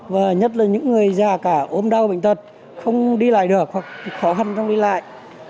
và nhất là những người già cả ốm đau bệnh tật không đi lại được hoặc khó khăn trong đi lại